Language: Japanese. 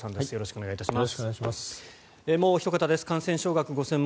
よろしくお願いします。